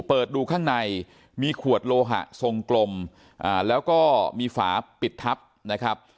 เปิดดูข้างในมีขวดโลหะทรงกลมแล้วก็มีฝาปิดทับนะครับ